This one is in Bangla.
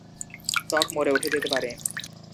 ত্বক মরে উঠে যেতে পারে।